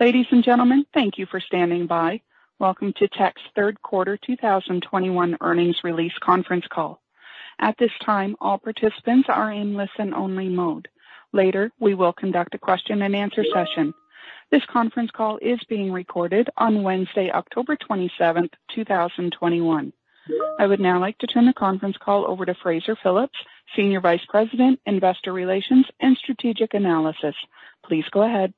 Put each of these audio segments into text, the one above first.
Ladies and gentlemen, thank you for standing by. Welcome to Teck's third quarter 2021 earnings release conference call. At this time, all participants are in listen-only mode. Later, we will conduct a question-and-answer session. This conference call is being recorded on Wednesday, October 27, 2021. I would now like to turn the conference call over to Fraser Phillips, Senior Vice President, Investor Relations, and Strategic Analysis. Please go ahead.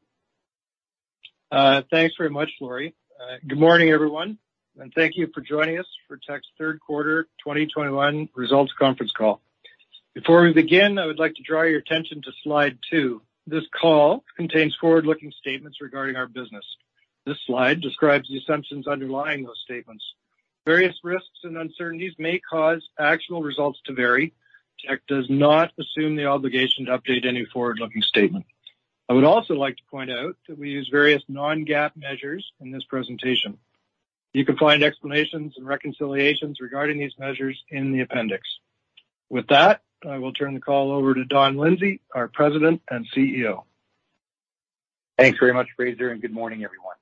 Thanks very much, Laurie. Good morning, everyone, and thank you for joining us for Teck's third quarter 2021 results conference call. Before we begin, I would like to draw your attention to slide two. This call contains forward-looking statements regarding our business. This slide describes the assumptions underlying those statements. Various risks and uncertainties may cause actual results to vary. Teck does not assume the obligation to update any forward-looking statement. I would also like to point out that we use various non-GAAP measures in this presentation. You can find explanations and reconciliations regarding these measures in the appendix. With that, I will turn the call over to Don Lindsay, our President and CEO. Thanks very much, Fraser, and good morning, everyone.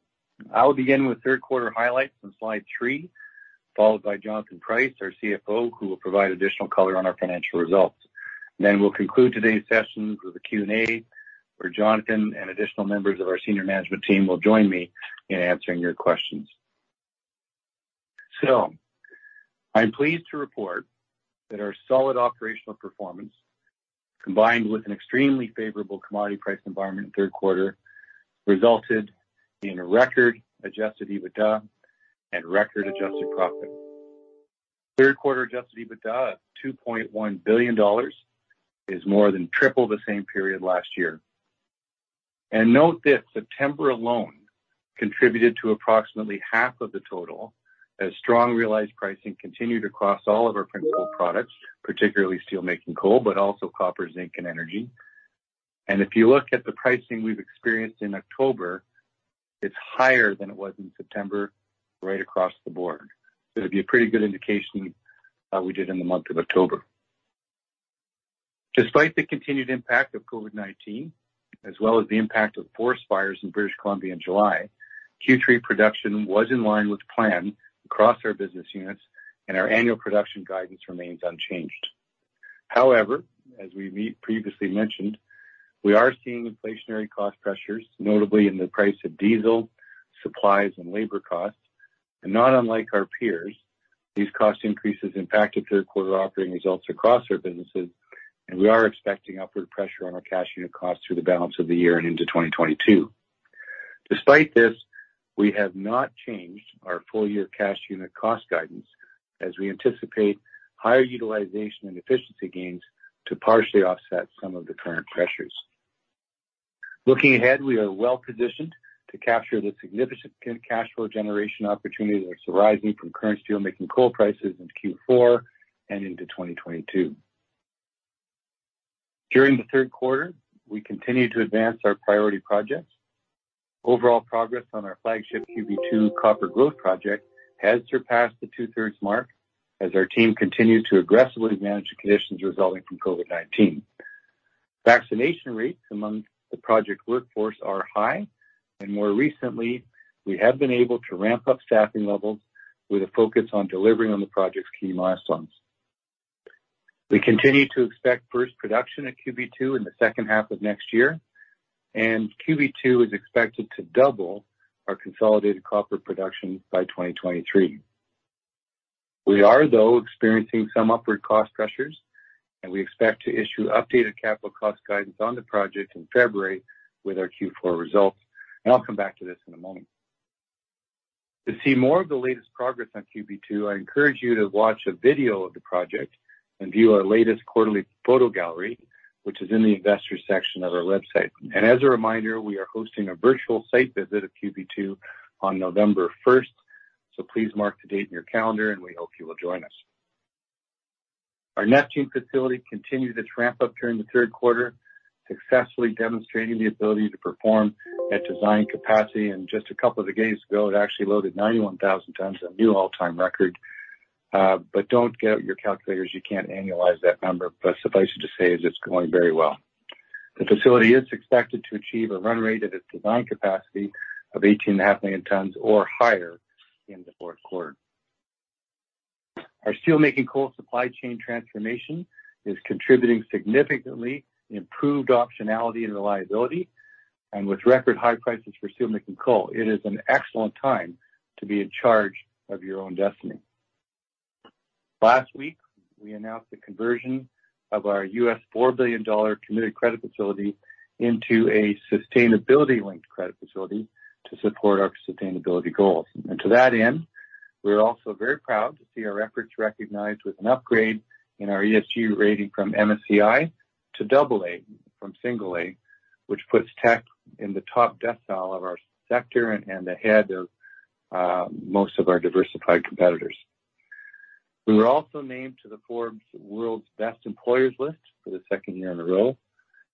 I will begin with third quarter highlights on slide three, followed by Jonathan Price, our CFO, who will provide additional color on our financial results. Then we'll conclude today's session with a Q&A, where Jonathan and additional members of our senior management team will join me in answering your questions. I'm pleased to report that our solid operational performance, combined with an extremely favorable commodity price environment in third quarter, resulted in a record adjusted EBITDA and record adjusted profit. Third quarter adjusted EBITDA of 2.1 billion dollars is more than triple the same period last year. Note that September alone contributed to approximately half of the total, as strong realized pricing continued across all of our principal products, particularly steel-making coal, but also copper, zinc, and energy. If you look at the pricing we've experienced in October, it's higher than it was in September, right across the board. It'll be a pretty good indication how we did in the month of October. Despite the continued impact of COVID-19, as well as the impact of forest fires in British Columbia in July, Q3 production was in line with plan across our business units, and our annual production guidance remains unchanged. However, as we previously mentioned, we are seeing inflationary cost pressures, notably in the price of diesel, supplies, and labor costs. Not unlike our peers, these cost increases impacted third quarter operating results across our businesses, and we are expecting upward pressure on our cash unit costs through the balance of the year and into 2022. Despite this, we have not changed our full-year cash unit cost guidance, as we anticipate higher utilization and efficiency gains to partially offset some of the current pressures. Looking ahead, we are well-positioned to capture the significant cash flow generation opportunities that are arising from current steelmaking coal prices into Q4 and into 2022. During the third quarter, we continued to advance our priority projects. Overall progress on our flagship QB2 copper growth project has surpassed the two-thirds mark as our team continues to aggressively manage the conditions resulting from COVID-19. Vaccination rates among the project workforce are high, and more recently, we have been able to ramp up staffing levels with a focus on delivering on the project's key milestones. We continue to expect first production at QB2 in the second half of next year, and QB2 is expected to double our consolidated copper production by 2023. We are, though, experiencing some upward cost pressures, and we expect to issue updated capital cost guidance on the project in February with our Q4 results. I'll come back to this in a moment. To see more of the latest progress on QB2, I encourage you to watch a video of the project and view our latest quarterly photo gallery, which is in the investor section of our website. As a reminder, we are hosting a virtual site visit of QB2 on November first, so please mark the date in your calendar, and we hope you will join us. Our Neptune facility continued its ramp up during the third quarter, successfully demonstrating the ability to perform at design capacity. Just a couple of days ago, it actually loaded 91,000 tons, a new all-time record. Don't get out your calculators. You can't annualize that number, but suffice it to say, it's going very well. The facility is expected to achieve a run rate at its design capacity of 18.5 million tons or higher in the fourth quarter. Our steelmaking coal supply chain transformation is contributing significantly improved optionality and reliability. With record high prices for steelmaking coal, it is an excellent time to be in charge of your own destiny. Last week, we announced the conversion of our $4 billion committed credit facility into a sustainability-linked credit facility to support our sustainability goals. To that end, we're also very proud to see our efforts recognized with an upgrade in our ESG rating from MSCI to AA from A, which puts Teck in the top decile of our sector and ahead of most of our diversified competitors. We were also named to the Forbes World's Best Employers list for the second year in a row.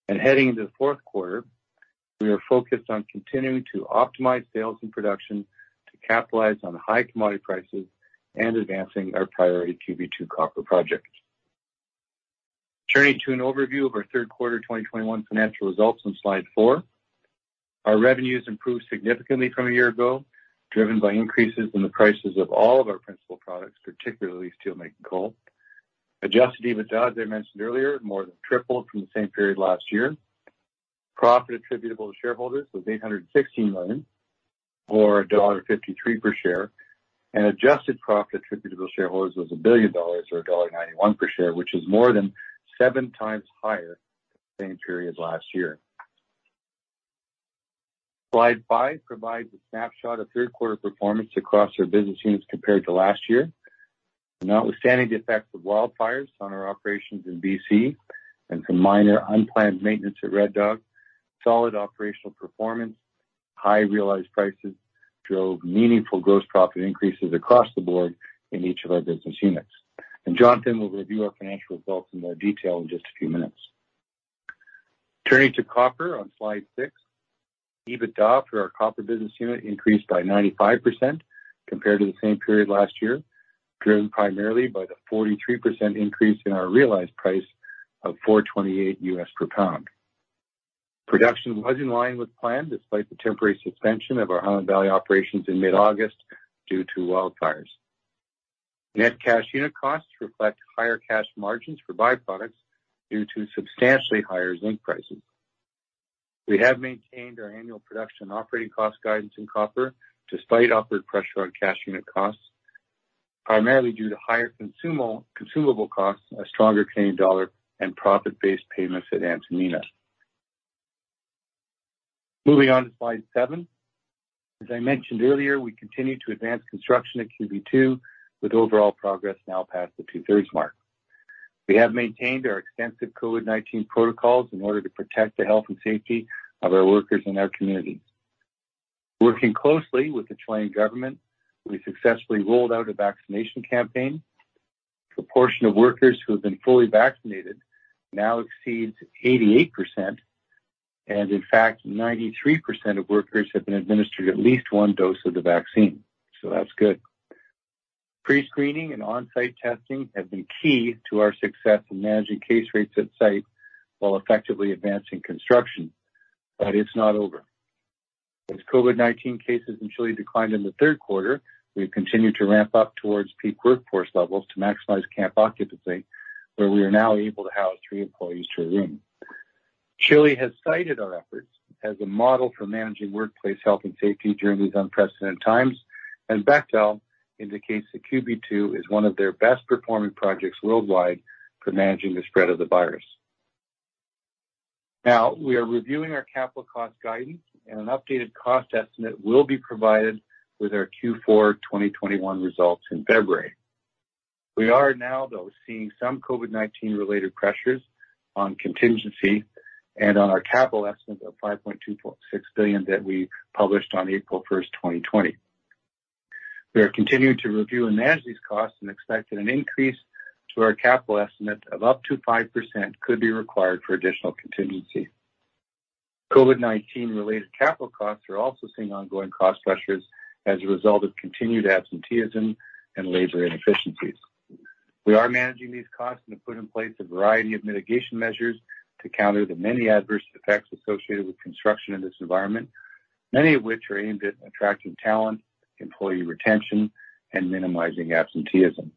Heading into the fourth quarter, we are focused on continuing to optimize sales and production to capitalize on high commodity prices and advancing our priority QB2 copper project. Turning to an overview of our third quarter 2021 financial results on slide four. Our revenues improved significantly from a year ago, driven by increases in the prices of all of our principal products, particularly steel making coal. Adjusted EBITDA, as I mentioned earlier, more than tripled from the same period last year. Profit attributable to shareholders was 816 million or dollar 1.53 per share, and adjusted profit attributable to shareholders was 1 billion dollars or dollar 1.91 per share, which is more than seven times higher the same period last year. Slide five provides a snapshot of third quarter performance across our business units compared to last year. Notwithstanding the effects of wildfires on our operations in B.C. and some minor unplanned maintenance at Red Dog, solid operational performance, high realized prices drove meaningful gross profit increases across the board in each of our business units. Jonathan will review our financial results in more detail in just a few minutes. Turning to copper on slide six. EBITDA for our copper business unit increased by 95% compared to the same period last year, driven primarily by the 43% increase in our realized price of $4.28 USD per pound. Production was in line with plan, despite the temporary suspension of our Highland Valley operations in mid-August due to wildfires. Net cash unit costs reflect higher cash margins for byproducts due to substantially higher zinc prices. We have maintained our annual production operating cost guidance in copper despite upward pressure on cash unit costs, primarily due to higher consumable costs, a stronger Canadian dollar, and profit-based payments at Antamina. Moving on to slide seven. As I mentioned earlier, we continue to advance construction at QB2 with overall progress now past the two-thirds mark. We have maintained our extensive COVID-19 protocols in order to protect the health and safety of our workers and our communities. Working closely with the Chilean government, we successfully rolled out a vaccination campaign. Proportion of workers who have been fully vaccinated now exceeds 88%. In fact, 93% of workers have been administered at least one dose of the vaccine. That's good. Pre-screening and on-site testing have been key to our success in managing case rates at site while effectively advancing construction, but it's not over. As COVID-19 cases in Chile declined in the third quarter, we have continued to ramp up towards peak workforce levels to maximize camp occupancy, where we are now able to house three employees to a room. Chile has cited our efforts as a model for managing workplace health and safety during these unprecedented times, and Bechtel indicates that QB2 is one of their best performing projects worldwide for managing the spread of the virus. Now, we are reviewing our capital cost guidance and an updated cost estimate will be provided with our Q4 2021 results in February. We are now, though, seeing some COVID-19 related pressures on contingency and on our capital estimate of $5.26 billion that we published on April 1, 2020. We are continuing to review and manage these costs and expect that an increase to our capital estimate of up to 5% could be required for additional contingency. COVID-19 related capital costs are also seeing ongoing cost pressures as a result of continued absenteeism and labor inefficiencies. We are managing these costs and have put in place a variety of mitigation measures to counter the many adverse effects associated with construction in this environment, many of which are aimed at attracting talent, employee retention, and minimizing absenteeism.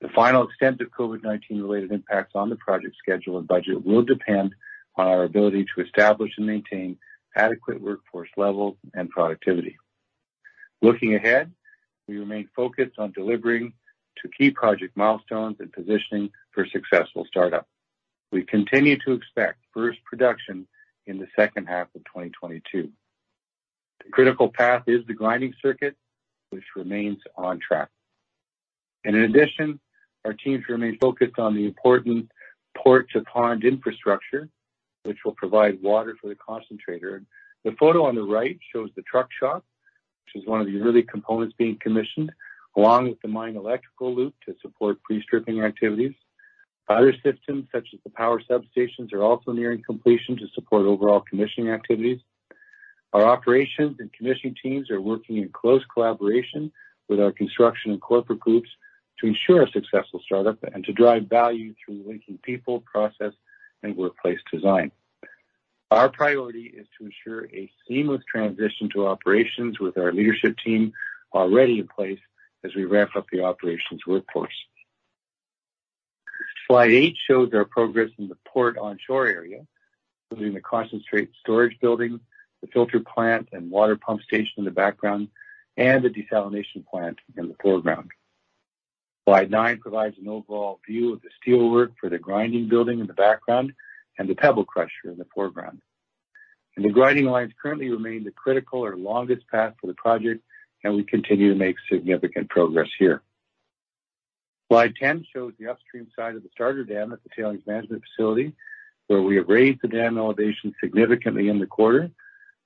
The final extent of COVID-19 related impacts on the project schedule and budget will depend on our ability to establish and maintain adequate workforce levels and productivity. Looking ahead, we remain focused on delivering to key project milestones and positioning for successful startup. We continue to expect first production in the second half of 2022. The critical path is the grinding circuit, which remains on track. In addition, our teams remain focused on the important port-to-pond infrastructure, which will provide water for the concentrator. The photo on the right shows the truck shop, which is one of the early components being commissioned, along with the mine electrical loop to support pre-stripping activities. Other systems, such as the power substations, are also nearing completion to support overall commissioning activities. Our operations and commissioning teams are working in close collaboration with our construction and corporate groups to ensure a successful startup and to drive value through linking people, process, and workplace design. Our priority is to ensure a seamless transition to operations with our leadership team already in place as we ramp up the operations workforce. Slide eight shows our progress in the port onshore area, including the concentrate storage building, the filter plant and water pump station in the background, and the desalination plant in the foreground. Slide nine provides an overall view of the steelwork for the grinding building in the background and the pebble crusher in the foreground. The grinding lines currently remain the critical or longest path for the project, and we continue to make significant progress here. Slide 10 shows the upstream side of the starter dam at the Tailings Management Facility, where we have raised the dam elevation significantly in the quarter,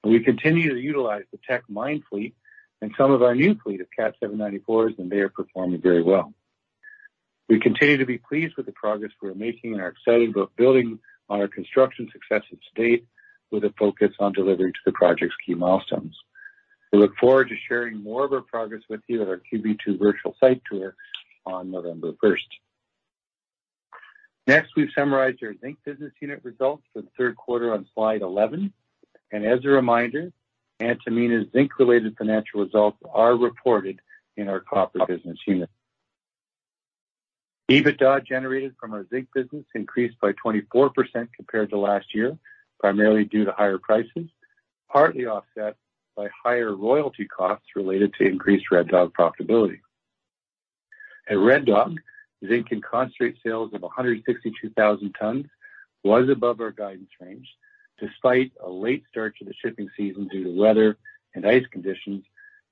and we continue to utilize the Teck mine fleet and some of our new fleet of Cat 794 AC, and they are performing very well. We continue to be pleased with the progress we are making and are excited about building on our construction success at site with a focus on delivering to the project's key milestones. We look forward to sharing more of our progress with you at our QB2 virtual site tour on November 1st. Next, we've summarized our Zinc Business Unit results for the third quarter on slide 11. As a reminder, Antamina's zinc-related financial results are reported in our Copper Business Unit. EBITDA generated from our Zinc Business increased by 24% compared to last year, primarily due to higher prices, partly offset by higher royalty costs related to increased Red Dog profitability. At Red Dog, zinc and concentrate sales of 162,000 tons was above our guidance range despite a late start to the shipping season due to weather and ice conditions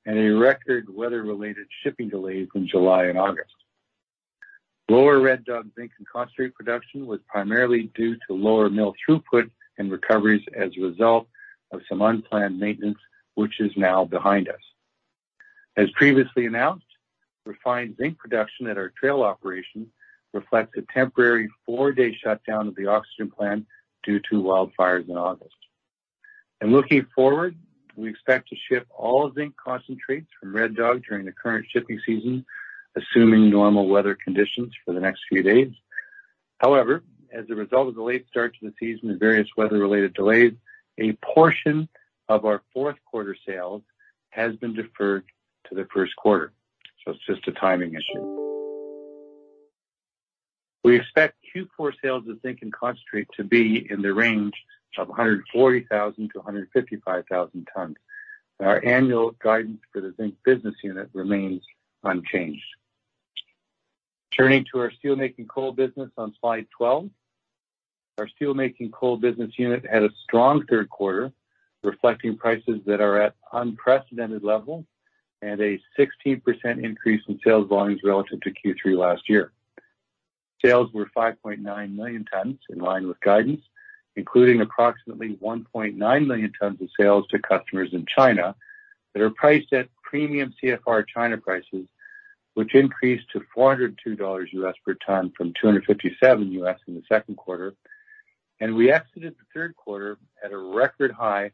and a record weather-related shipping delays in July and August. Lower Red Dog zinc and concentrate production was primarily due to lower mill throughput and recoveries as a result of some unplanned maintenance, which is now behind us. As previously announced, refined zinc production at our Trail operation reflects a temporary four-day shutdown of the oxygen plant due to wildfires in August. Looking forward, we expect to ship all zinc concentrates from Red Dog during the current shipping season, assuming normal weather conditions for the next few days. However, as a result of the late start to the season and various weather-related delays, a portion of our fourth quarter sales has been deferred to the first quarter. It's just a timing issue. We expect Q4 sales of zinc in concentrate to be in the range of 140,000-155,000 tons. Our annual guidance for the Zinc Business Unit remains unchanged. Turning to our Steelmaking Coal Business Unit on slide 12. Our Steelmaking Coal Business Unit had a strong third quarter, reflecting prices that are at unprecedented levels and a 16% increase in sales volumes relative to Q3 last year. Sales were 5.9 million tons in line with guidance, including approximately 1.9 million tons of sales to customers in China that are priced at premium CFR China prices, which increased to $402 US per ton from $257 US in the second quarter. We exited the third quarter at a record high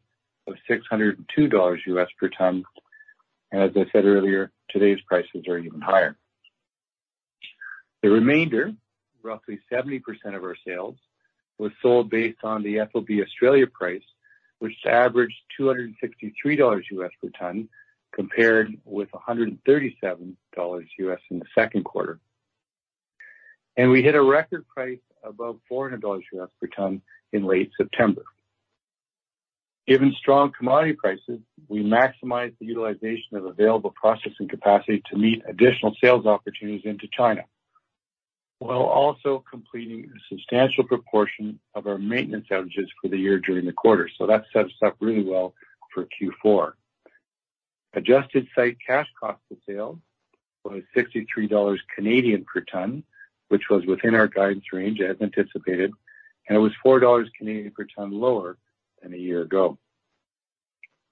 of $602 US per ton. As I said earlier, today's prices are even higher. The remainder, roughly 70% of our sales, was sold based on the FOB Australia price, which averaged $263 US per ton, compared with $137 US in the second quarter. We hit a record price above $400 US per ton in late September. Given strong commodity prices, we maximize the utilization of available processing capacity to meet additional sales opportunities into China, while also completing a substantial proportion of our maintenance outages for the year during the quarter. That sets us up really well for Q4. Adjusted site cash cost of sale was 63 Canadian dollars per ton, which was within our guidance range as anticipated, and it was 4 Canadian dollars per ton lower than a year ago.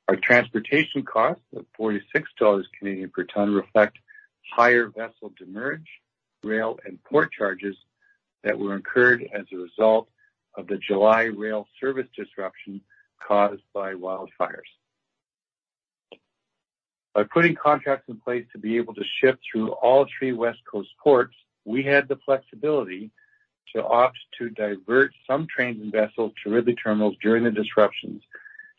Our transportation costs of 46 Canadian dollars per ton reflect higher vessel demurrage, rail, and port charges that were incurred as a result of the July rail service disruption caused by wildfires. By putting contracts in place to be able to ship through all three West Coast ports, we had the flexibility to opt to divert some trains and vessels to Ridley terminals during the disruptions.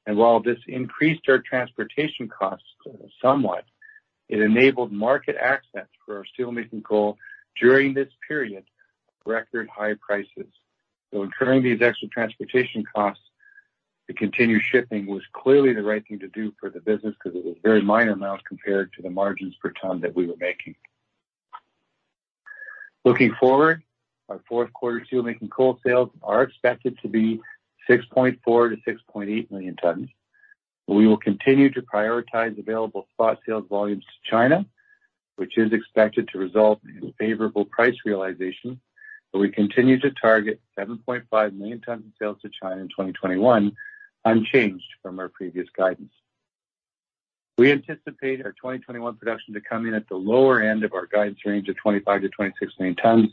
While this increased our transportation costs somewhat, it enabled market access for our steelmaking coal during this period of record high prices. Incurring these extra transportation costs to continue shipping was clearly the right thing to do for the business 'cause it was very minor amounts compared to the margins per ton that we were making. Looking forward, our fourth quarter steelmaking coal sales are expected to be 6.4-6.8 million tons. We will continue to prioritize available spot sales volumes to China, which is expected to result in favorable price realization. We continue to target 7.5 million tons in sales to China in 2021, unchanged from our previous guidance. We anticipate our 2021 production to come in at the lower end of our guidance range of 25-26 million tons,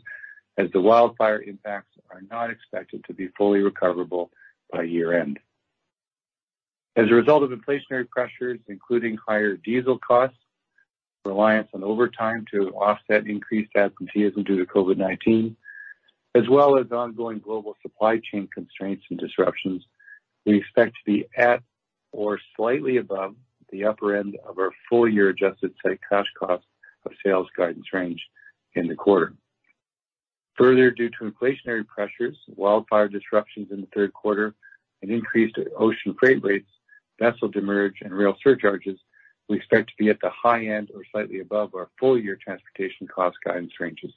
as the wildfire impacts are not expected to be fully recoverable by year-end. As a result of inflationary pressures, including higher diesel costs, reliance on overtime to offset increased absenteeism due to COVID-19, as well as ongoing global supply chain constraints and disruptions, we expect to be at or slightly above the upper end of our full-year adjusted site cash cost of sales guidance range in the quarter. Further, due to inflationary pressures, wildfire disruptions in the third quarter, and increased ocean freight rates, vessel demurrage, and rail surcharges, we expect to be at the high end or slightly above our full-year transportation cost guidance ranges.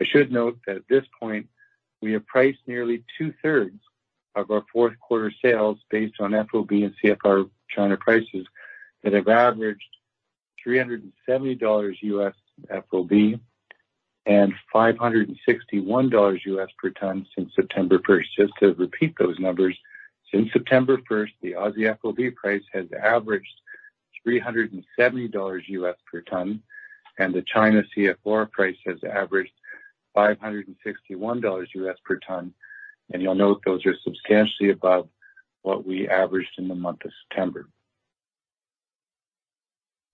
I should note that at this point, we have priced nearly two-thirds of our fourth quarter sales based on FOB and CFR China prices that have averaged $370 FOB and $561 per ton since September first. Just to repeat those numbers, since September first, the Aussie FOB price has averaged $370 per ton, and the China CFR price has averaged $561 per ton, and you'll note those are substantially above what we averaged in the month of September.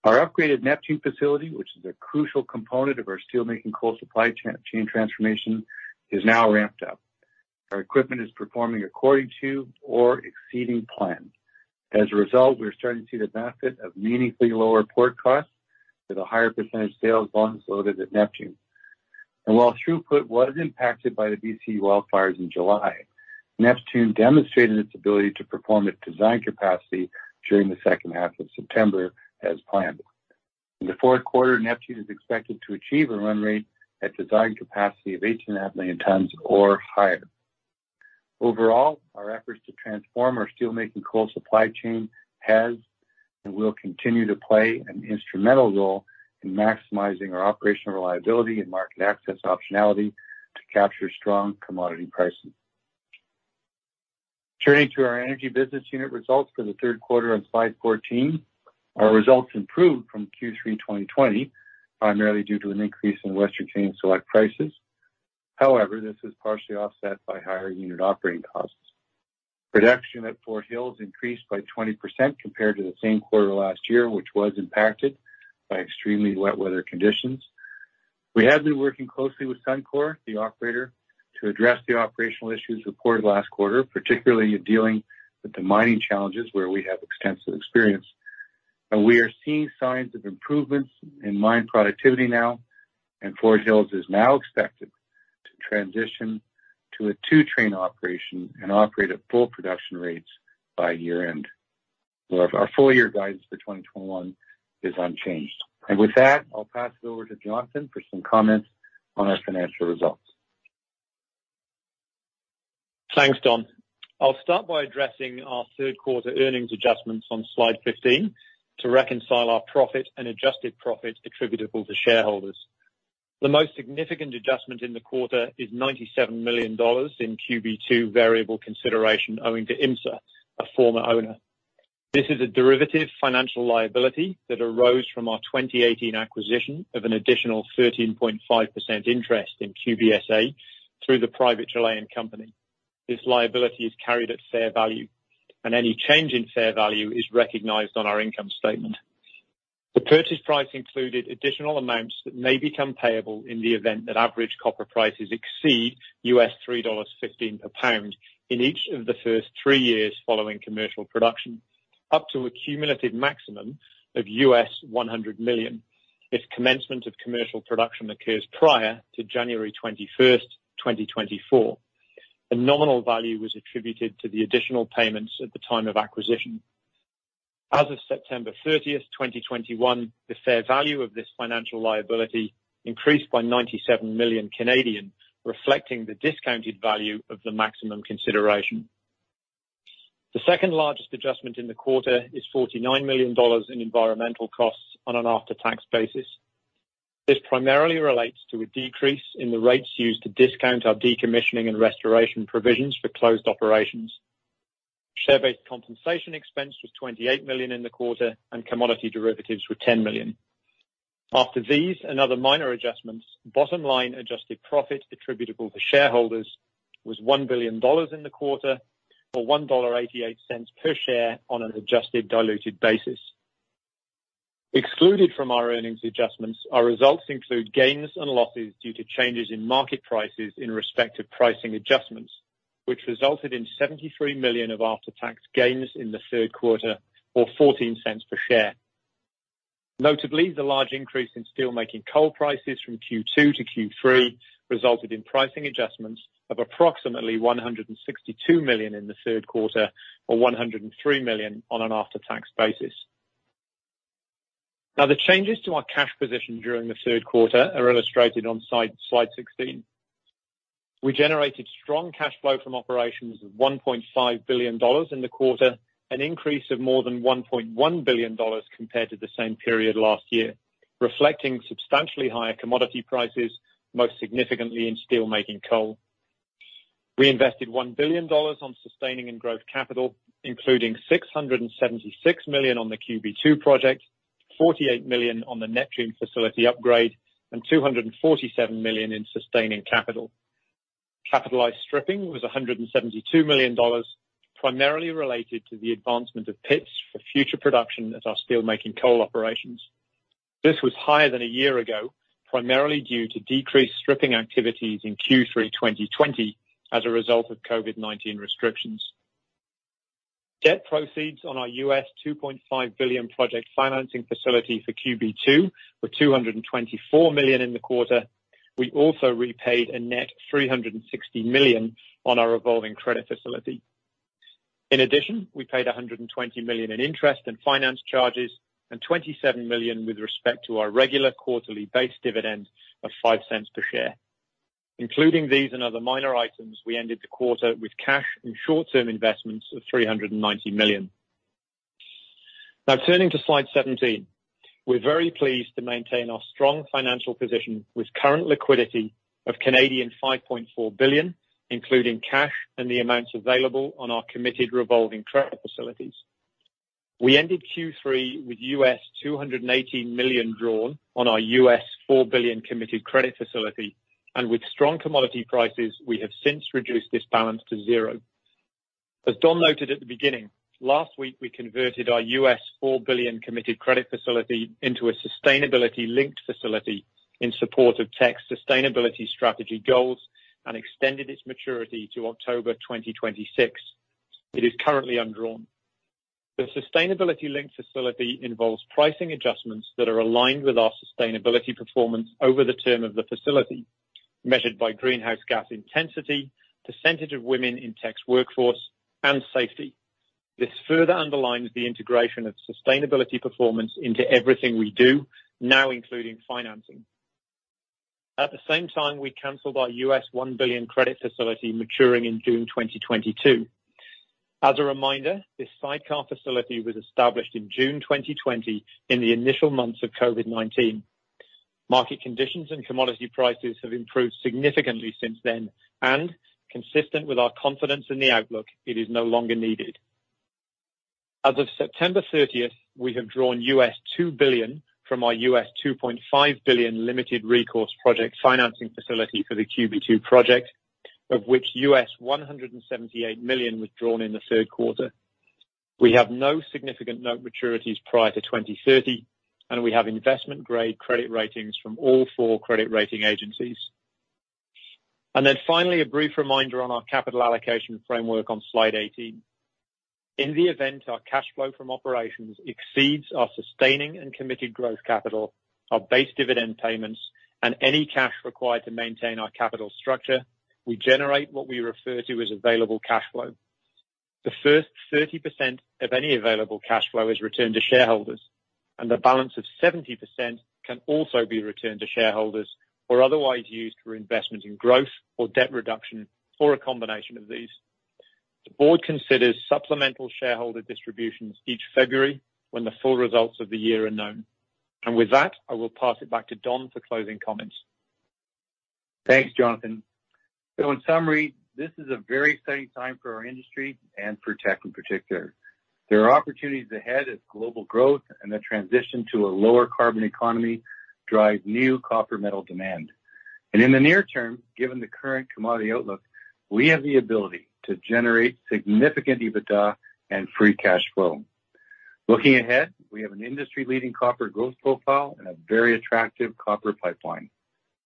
Our upgraded Neptune facility, which is a crucial component of our steelmaking coal supply chain transformation, is now ramped up. Our equipment is performing according to or exceeding plan. As a result, we're starting to see the benefit of meaningfully lower port costs with a higher percentage of sales volumes loaded at Neptune. While throughput was impacted by the BC wildfires in July, Neptune demonstrated its ability to perform at design capacity during the second half of September as planned. In the fourth quarter, Neptune is expected to achieve a run rate at design capacity of 18.5 million tons or higher. Overall, our efforts to transform our steelmaking coal supply chain has and will continue to play an instrumental role in maximizing our operational reliability and market access optionality to capture strong commodity pricing. Turning to our energy business unit results for the third quarter on slide 14, our results improved from Q3 2020, primarily due to an increase in Western Canadian Select prices. However, this is partially offset by higher unit operating costs. Production at Fort Hills increased by 20% compared to the same quarter last year, which was impacted by extremely wet weather conditions. We have been working closely with Suncor, the operator, to address the operational issues reported last quarter, particularly in dealing with the mining challenges where we have extensive experience. We are seeing signs of improvements in mine productivity now, and Fort Hills is now expected to transition to a two-train operation and operate at full production rates by year-end. Our full-year guidance for 2021 is unchanged. With that, I'll pass it over to Jonathan for some comments on our financial results. Thanks, Don. I'll start by addressing our third quarter earnings adjustments on slide 15 to reconcile our profit and adjusted profit attributable to shareholders. The most significant adjustment in the quarter is $97 million in QB2 variable consideration owing to IMSA, a former owner. This is a derivative financial liability that arose from our 2018 acquisition of an additional 13.5% interest in QBSA through the private Chilean company. This liability is carried at fair value, and any change in fair value is recognized on our income statement. The purchase price included additional amounts that may become payable in the event that average copper prices exceed US$3.15 a pound in each of the first 3 years following commercial production, up to a cumulative maximum of US$100 million if commencement of commercial production occurs prior to January 21, 2024. The nominal value was attributed to the additional payments at the time of acquisition. As of September 30, 2021, the fair value of this financial liability increased by 97 million, reflecting the discounted value of the maximum consideration. The second largest adjustment in the quarter is 49 million dollars in environmental costs on an after-tax basis. This primarily relates to a decrease in the rates used to discount our decommissioning and restoration provisions for closed operations. Share-based compensation expense was 28 million in the quarter, and commodity derivatives were 10 million. After these and other minor adjustments, bottom line adjusted profit attributable to shareholders was 1 billion dollars in the quarter or 1.88 dollar per share on an adjusted diluted basis. Excluded from our earnings adjustments, our results include gains and losses due to changes in market prices in respective pricing adjustments, which resulted in 73 million of after-tax gains in the third quarter or 0.14 per share. Notably, the large increase in steelmaking coal prices from Q2 to Q3 resulted in pricing adjustments of approximately 162 million in the third quarter or 103 million on an after-tax basis. Now, the changes to our cash position during the third quarter are illustrated on slide 16. We generated strong cash flow from operations of 1.5 billion dollars in the quarter, an increase of more than 1.1 billion dollars compared to the same period last year, reflecting substantially higher commodity prices, most significantly in steelmaking coal. We invested $1 billion on sustaining and growth capital, including $676 million on the QB2 project, $48 million on the Neptune facility upgrade, and $247 million in sustaining capital. Capitalized stripping was $172 million, primarily related to the advancement of pits for future production at our steelmaking coal operations. This was higher than a year ago, primarily due to decreased stripping activities in Q3 2020 as a result of COVID-19 restrictions. Debt proceeds on our U.S. $2.5 billion project financing facility for QB2 were $224 million in the quarter. We also repaid a net $360 million on our revolving credit facility. In addition, we paid $120 million in interest and finance charges and $27 million with respect to our regular quarterly base dividend of $0.05 per share. Including these and other minor items, we ended the quarter with cash and short-term investments of 390 million. Now turning to slide 17. We're very pleased to maintain our strong financial position with current liquidity of 5.4 billion, including cash and the amounts available on our committed revolving credit facilities. We ended Q3 with $280 million drawn on our $4 billion committed credit facility. With strong commodity prices, we have since reduced this balance to zero. As Don noted at the beginning, last week, we converted our $4 billion committed credit facility into a sustainability-linked facility in support of Teck's sustainability strategy goals and extended its maturity to October 2026. It is currently undrawn. The sustainability-linked facility involves pricing adjustments that are aligned with our sustainability performance over the term of the facility, measured by greenhouse gas intensity, percentage of women in Teck's workforce, and safety. This further underlines the integration of sustainability performance into everything we do now, including financing. At the same time, we canceled our $1 billion credit facility maturing in June 2022. As a reminder, this sidecar facility was established in June 2020, in the initial months of COVID-19. Market conditions and commodity prices have improved significantly since then, and consistent with our confidence in the outlook, it is no longer needed. As of September 30, we have drawn $2 billion from our $2.5 billion limited recourse project financing facility for the QB2 project, of which $178 million was drawn in the third quarter. We have no significant note maturities prior to 2030, and we have investment-grade credit ratings from all four credit rating agencies. Then finally, a brief reminder on our capital allocation framework on slide 18. In the event our cash flow from operations exceeds our sustaining and committed growth capital, our base dividend payments, and any cash required to maintain our capital structure, we generate what we refer to as available cash flow. The first 30% of any available cash flow is returned to shareholders, and the balance of 70% can also be returned to shareholders or otherwise used for investment in growth or debt reduction, or a combination of these. The board considers supplemental shareholder distributions each February when the full results of the year are known. With that, I will pass it back to Don for closing comments. Thanks, Jonathan. In summary, this is a very exciting time for our industry and for Teck in particular. There are opportunities ahead as global growth and the transition to a lower carbon economy drive new copper metal demand. In the near term, given the current commodity outlook, we have the ability to generate significant EBITDA and free cash flow. Looking ahead, we have an industry-leading copper growth profile and a very attractive copper pipeline.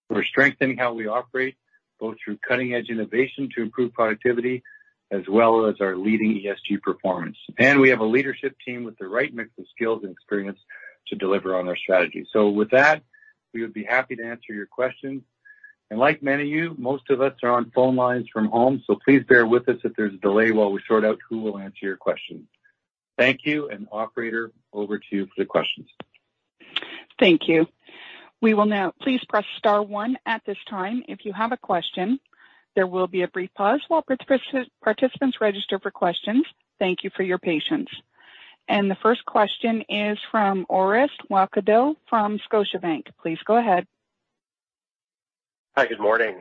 We're strengthening how we operate, both through cutting-edge innovation to improve productivity as well as our leading ESG performance. We have a leadership team with the right mix of skills and experience to deliver on our strategy. With that, we would be happy to answer your questions. Like many of you, most of us are on phone lines from home, so please bear with us if there's a delay while we sort out who will answer your questions. Thank you. Operator, over to you for the questions. Thank you. Please press star one at this time if you have a question. There will be a brief pause while participants register for questions. Thank you for your patience. The first question is from Orest Wowkodaw from Scotiabank. Please go ahead. Hi. Good morning.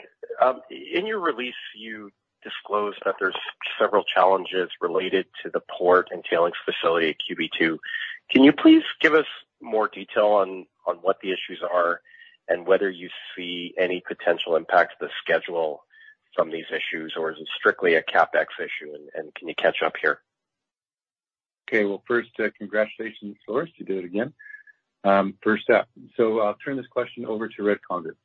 In your release, you disclosed that there's several challenges related to the port and tailings facility at QB2. Can you please give us more detail on what the issues are and whether you see any potential impact to the schedule from these issues, or is it strictly a CapEx issue, and can you catch up here? Okay. Well, first, congratulations, Orest. You did it again. First up. I'll turn this question over to Red Conger.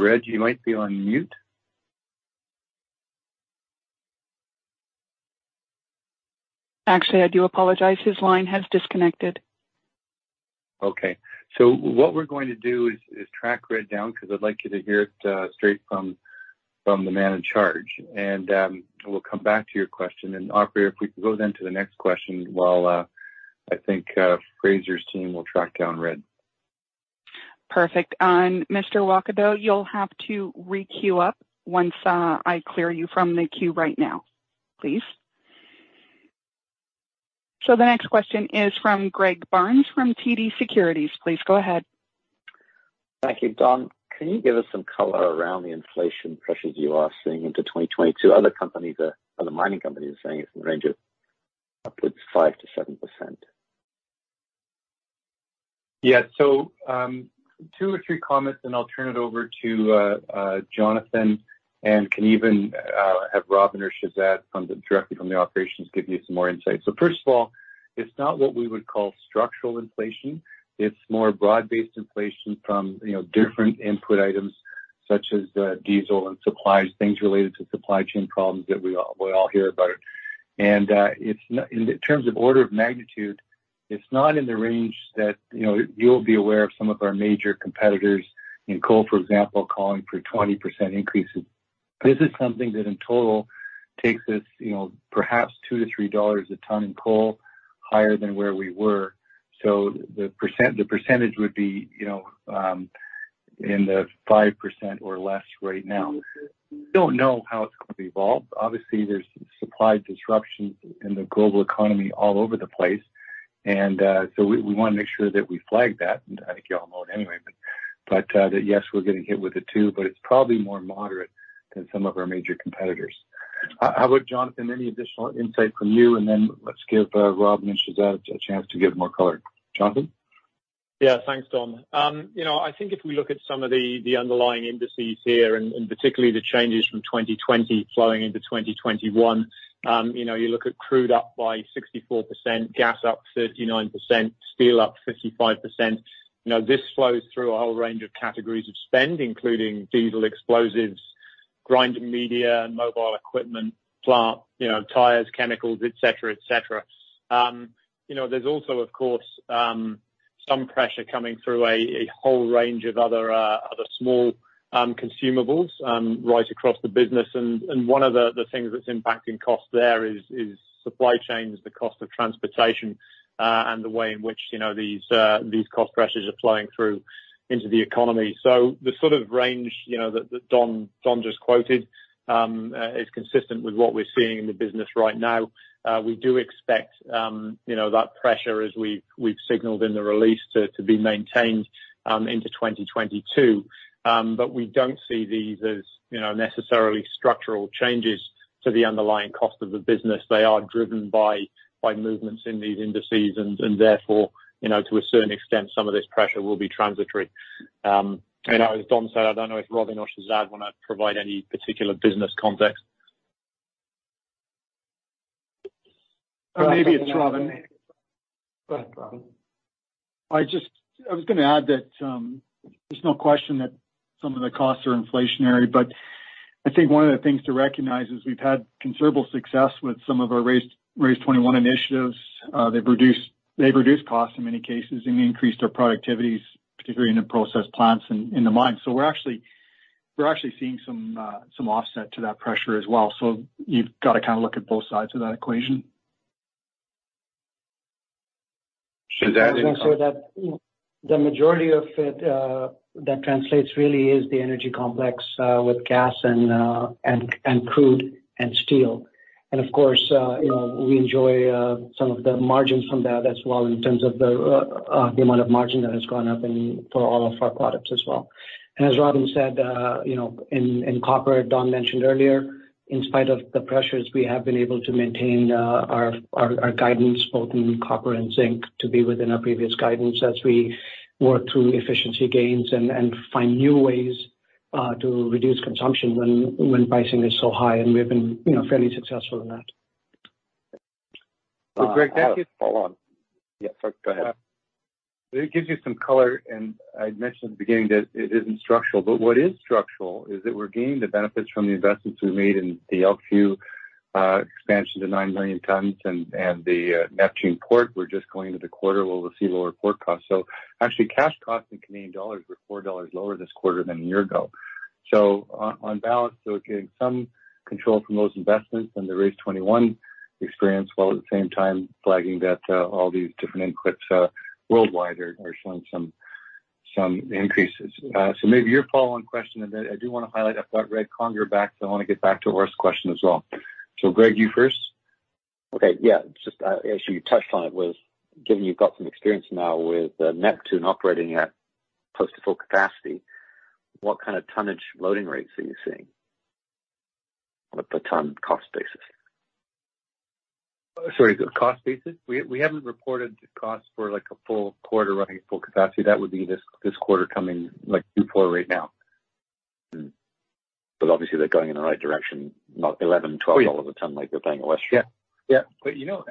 Red, you might be on mute. Actually, I do apologize. His line has disconnected. Okay. What we're going to do is track Red down because I'd like you to hear it straight from the man in charge. We'll come back to your question. Operator, if we can go then to the next question while I think Fraser's team will track down Red. Perfect. Mr. Wowkodaw, you'll have to re-queue up once I clear you from the queue right now, please. The next question is from Greg Barnes from TD Securities. Please go ahead. Thank you. Don, can you give us some color around the inflation pressures you are seeing into 2022? Other mining companies are saying it's in the range of upwards 5%-7%. Yeah. Two or three comments, then I'll turn it over to Jonathan and can even have Robin or Shehzad directly from the operations give you some more insight. First of all, it's not what we would call structural inflation. It's more broad-based inflation from you know different input items such as diesel and supplies, things related to supply chain problems that we all hear about it. In terms of order of magnitude, it's not in the range that you know you'll be aware of some of our major competitors in coal for example calling for 20% increases. This is something that in total takes us you know perhaps $2-$3 a ton in coal higher than where we were. The percentage would be, you know, in the 5% or less right now. Don't know how it's gonna evolve. Obviously, there's supply disruptions in the global economy all over the place. We wanna make sure that we flag that, and I think you all know it anyway, but yes, we're getting hit with it too, but it's probably more moderate than some of our major competitors. How about Jonathan, any additional insight from you? Then let's give Robin and Shehzad a chance to give more color. Jonathan? Yeah. Thanks, Don. I think if we look at some of the underlying indices here, and particularly the changes from 2020 flowing into 2021, you look at crude up by 64%, gas up 39%, steel up 55%. This flows through a whole range of categories of spend, including diesel explosives, grinding media, mobile equipment, plant, tires, chemicals, et cetera. There's also, of course, some pressure coming through a whole range of other small consumables right across the business. One of the things that's impacting costs there is supply chains, the cost of transportation, and the way in which these cost pressures are flowing through into the economy. The sort of range, you know, that Don just quoted is consistent with what we're seeing in the business right now. We do expect, you know, that pressure as we've signaled in the release to be maintained into 2022. We don't see these as, you know, necessarily structural changes to the underlying cost of the business. They are driven by movements in these indices and therefore, you know, to a certain extent, some of this pressure will be transitory. You know, as Don said, I don't know if Robin or Shehzad wanna provide any particular business context. Maybe it's Robin. Go ahead, Robin. I was gonna add that, there's no question that some of the costs are inflationary, but I think one of the things to recognize is we've had considerable success with some of our RACE 21 initiatives. They've reduced costs in many cases and increased our productivities, particularly in the process plants and in the mines. We're actually seeing some offset to that pressure as well. You've got to kind of look at both sides of that equation. Shehzad, any comment? I would say that the majority of it that translates really is the energy complex with gas and crude and steel. Of course, you know, we enjoy some of the margins from that as well in terms of the amount of margin that has gone up in for all of our products as well. As Robin said, you know, in copper, Don mentioned earlier, in spite of the pressures, we have been able to maintain our guidance both in copper and zinc to be within our previous guidance as we work through efficiency gains and find new ways to reduce consumption when pricing is so high. We've been, you know, fairly successful in that. Well, Greg, thank you. Follow on. Yeah. Sorry. Go ahead. It gives you some color, and I mentioned at the beginning that it isn't structural, but what is structural is that we're gaining the benefits from the investments we made in the Elkview expansion to 9 million tons and the Neptune port. We're just going into the quarter where we'll see lower port costs. Actually, cash costs in Canadian dollars were 4 dollars lower this quarter than a year ago. On balance, getting some control from those investments and the RACE 21 experience, while at the same time flagging that all these different inputs worldwide are showing some increases. Maybe your follow-on question, and then I do want to highlight, I've got Red Conger back, so I want to get back to Orest's question as well. Greg, you first. Okay. Yeah. Just, as you touched on, given you've got some experience now with, Neptune operating at close to full capacity, what kind of tonnage loading rates are you seeing on a per ton cost basis? Sorry, cost basis? We haven't reported the cost for like a full quarter running full capacity. That would be this quarter coming, like Q4 right now. obviously they're going in the right direction, not $11-$12 a ton like they're paying in Westshore. You know,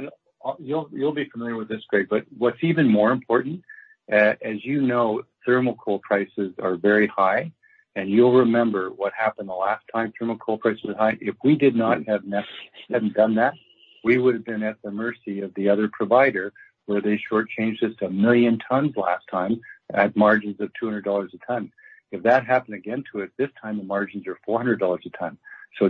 you'll be familiar with this, Greg, but what's even more important, as you know, thermal coal prices are very high, and you'll remember what happened the last time thermal coal prices were high. If we did not have Neptune, hadn't done that, we would have been at the mercy of the other provider, where they short-changed us 1 million tons last time at margins of $200 a ton. If that happened again to it this time, the margins are $400 a ton.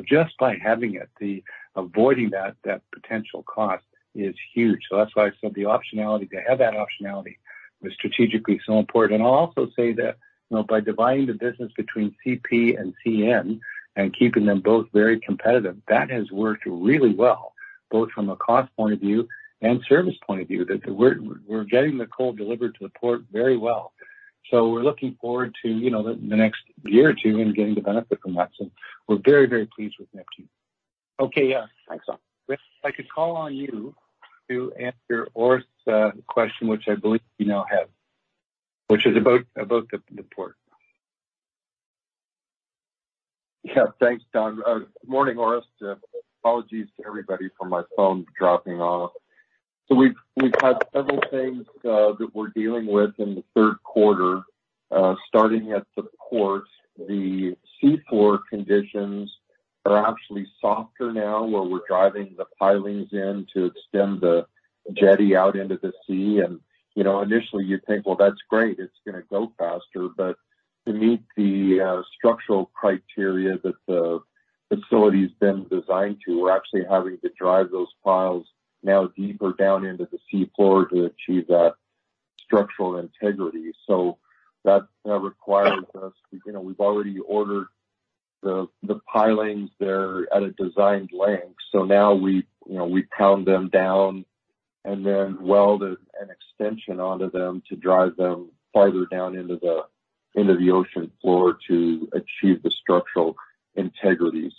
Just by having it, avoiding that potential cost is huge. That's why I said the optionality to have that optionality was strategically so important. I'll also say that, you know, by dividing the business between CP and CN and keeping them both very competitive, that has worked really well, both from a cost point of view and service point of view, that we're getting the coal delivered to the port very well. We're looking forward to, you know, the next year or two and getting the benefit from that. We're very, very pleased with Neptune. Okay. Yeah. Thanks. Red, if I could call on you to answer Orest's question, which I believe you now have, which is about the port. Yeah. Thanks, Don. Morning, Orest. Apologies to everybody for my phone dropping off. We've had several things that we're dealing with in the third quarter, starting at the port. The seafloor conditions are actually softer now, where we're driving the pilings in to extend the jetty out into the sea. You know, initially you'd think, well, that's great, it's gonna go faster. To meet the structural criteria that the facility's been designed to, we're actually having to drive those piles now deeper down into the seafloor to achieve that structural integrity. That requires us, you know, we've already ordered the pilings. They're at a designed length, so now we, you know, we pound them down and then weld an extension onto them to drive them farther down into the ocean floor to achieve the structural integrity.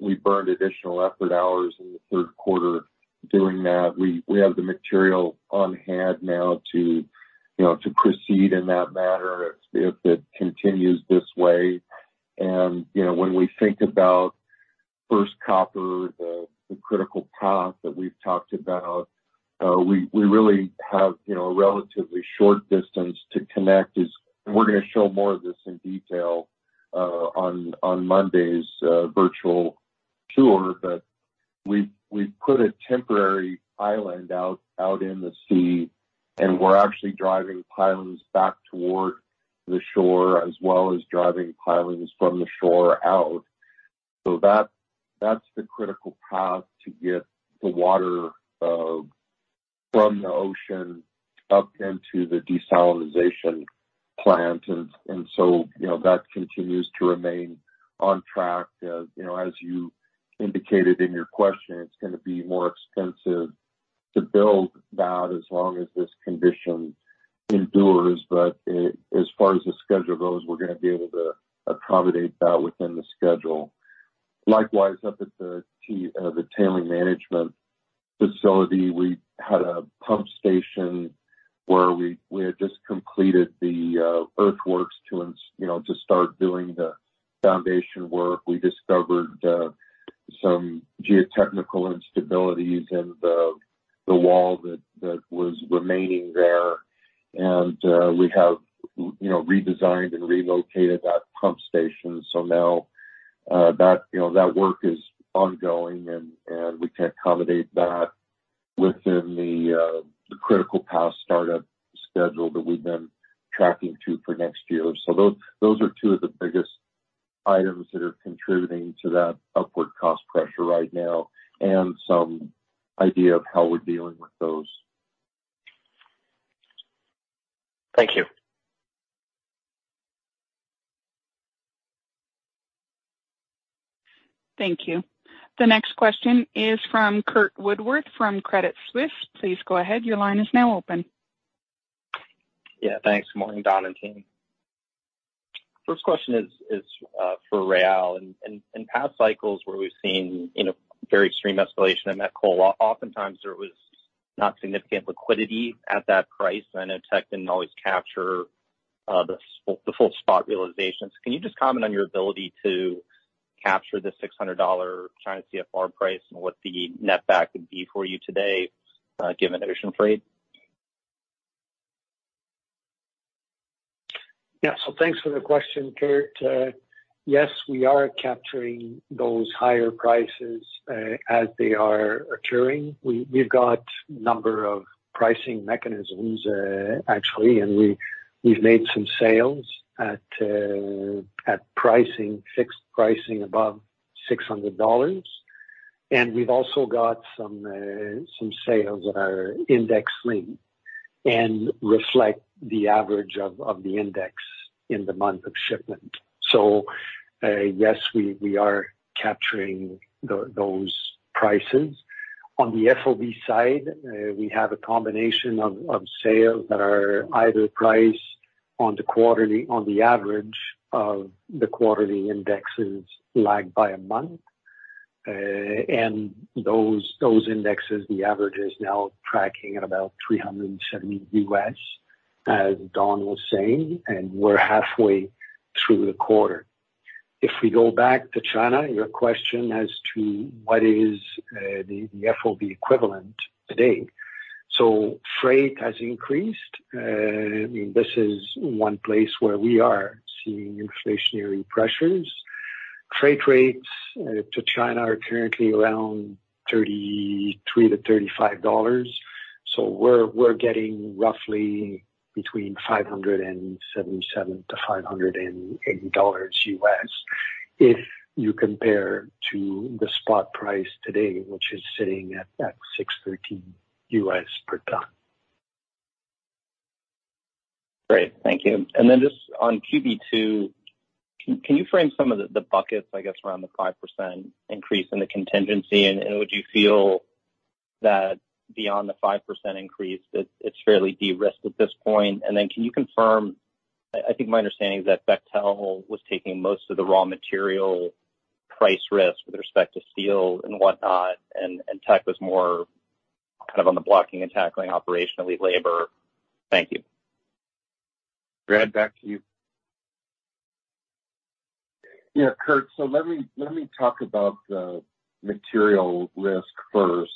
We burned additional effort hours in the third quarter doing that. We have the material on hand now to, you know, to proceed in that manner if it continues this way. You know, when we think about first copper, the critical path that we've talked about, we really have, you know, a relatively short distance to connect. We're gonna show more of this in detail on Monday's virtual tour. We put a temporary island out in the sea, and we're actually driving pilings back toward the shore, as well as driving pilings from the shore out. That that's the critical path to get the water from the ocean up into the desalination plant. You know, that continues to remain on track. You know, as you indicated in your question, it's gonna be more expensive to build that as long as this condition endures. As far as the schedule goes, we're gonna be able to accommodate that within the schedule. Likewise, up at the tailings management facility, we had a pump station where we had just completed the earthworks you know, to start doing the foundation work. We discovered some geotechnical instabilities in the wall that was remaining there. We have you know, redesigned and relocated that pump station. Now you know, that work is ongoing and we can accommodate that within the critical path startup schedule that we've been tracking to for next year. Those are two of the biggest items that are contributing to that upward cost pressure right now and some idea of how we're dealing with those. Thank you. Thank you. The next question is from Curt Woodworth from Credit Suisse. Please go ahead. Your line is now open. Yeah, thanks. Morning, Don and team. First question is for Réal. In past cycles where we've seen, you know, very extreme escalation in met coal, oftentimes there was not significant liquidity at that price. I know Teck didn't always capture the full spot realization. Can you just comment on your ability to capture the $600 China CFR price and what the net back would be for you today, given ocean freight? Yeah. Thanks for the question, Curt. Yes, we are capturing those higher prices as they are occurring. We've got a number of pricing mechanisms, actually, and we've made some sales at fixed pricing above $600. We've also got some sales that are index-linked and reflect the average of the index in the month of shipment. Yes, we are capturing those prices. On the FOB side, we have a combination of sales that are either priced on the average of the quarterly indexes lagged by a month. And those indexes, the average is now tracking at about $370, as Don was saying, and we're halfway through the quarter. If we go back to China, your question as to what is the FOB equivalent today. Freight has increased. I mean, this is one place where we are seeing inflationary pressures. Freight rates to China are currently around $33-$35. We're getting roughly between $577-$580 if you compare to the spot price today, which is sitting at $613 per ton. Great. Thank you. Just on QB2, can you frame some of the buckets, I guess, around the 5% increase in the contingency? Would you feel that beyond the 5% increase, it's fairly de-risked at this point? Can you confirm, I think my understanding is that Bechtel was taking most of the raw material price risk with respect to steel and whatnot, and Teck was more kind of on the blocking and tackling operationally labor. Thank you. Brad, back to you. Yeah, Curt. Let me talk about the material risk first.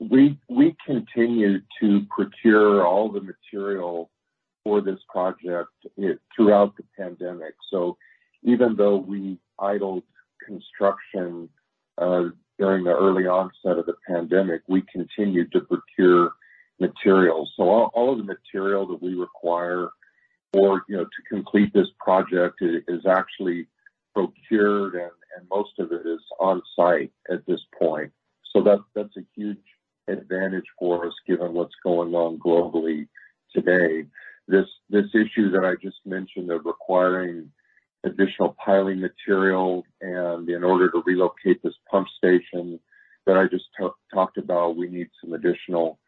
We continued to procure all the material for this project throughout the pandemic. Even though we idled construction during the early onset of the pandemic, we continued to procure materials. All of the material that we require, or you know, to complete this project is actually procured and most of it is on site at this point. That's a huge advantage for us given what's going on globally today. This issue that I just mentioned of requiring additional piling material and in order to relocate this pump station that I just talked about, we need some additional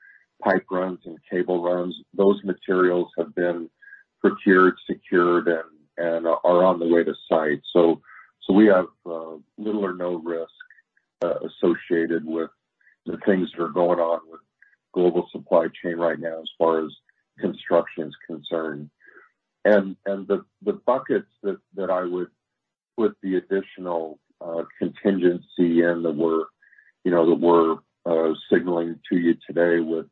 pipe runs and cable runs. Those materials have been procured, secured, and are on the way to site. We have little or no risk associated with the things that are going on with global supply chain right now as far as construction is concerned. The buckets that I would put the additional contingency in that we're signaling to you today with